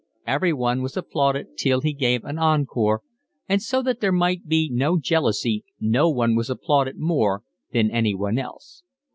Everyone was applauded till he gave an encore, and so that there might be no jealousy no one was applauded more than anyone else.